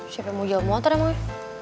siapa yang mau jalan motor emang ya